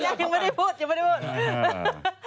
ยังไม่ได้พูดยังไม่ได้พูด